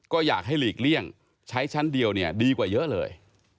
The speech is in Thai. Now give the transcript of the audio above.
ก็อยากให้หลีกเลี่ยงใช้ชั้นเดียวเนี่ยดีกว่าเยอะเลย